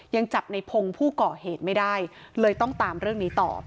ยังจับในพงศ์ผู้ก่อเหตุไม่ได้เลยต้องตามเรื่องนี้ต่อ